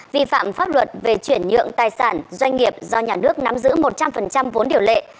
vi phạm pháp luật về chuyển nhượng tài sản doanh nghiệp do nhà nước nắm giữ một trăm linh vốn điều lệ